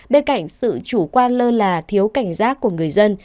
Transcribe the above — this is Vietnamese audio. bên cạnh sự chủ quan lơ là thiếu cảnh giác của người dân